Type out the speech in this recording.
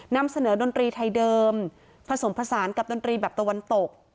นำเสนอดนตรีไทยเดิมผสมผสานกับดนตรีแบบตะวันตก